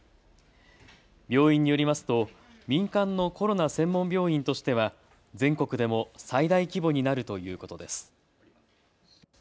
病院によりますと民間のコロナ専門病院としては全国でも最大規模になるということです。